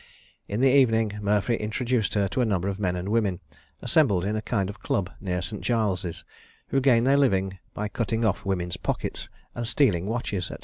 In the evening, Murphy introduced her to a number of men and women, assembled in a kind of club, near St. Giles's, who gained their living by cutting off women's pockets, and stealing watches, &c.